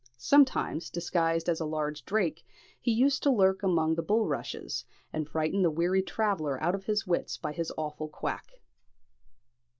Sometimes, disguised as a large drake, he used to lurk among the bulrushes, and frighten the weary traveller out of his wits by his awful quack.